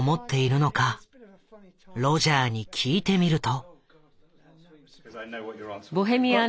ロジャーに聞いてみると。